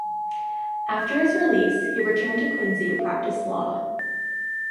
After his release, he returned to Quincy to practice law.